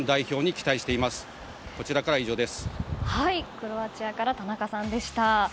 クロアチアから田中さんでした。